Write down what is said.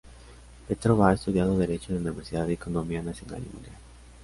Petrova ha estudiado derecho en la Universidad de Economía Nacional y Mundial.